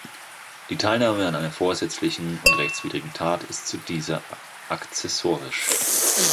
Die Teilnahme an einer vorsätzlichen und rechtswidrigen Tat ist zu dieser akzessorisch.